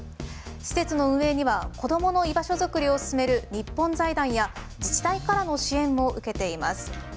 施設の運営には子どもの居場所作りを進める日本財団や自治体からの支援も受けています。